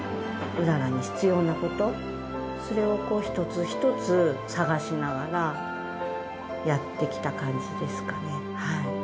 麗に必要なこと、それを一つ一つ探しながら、やってきた感じですかね。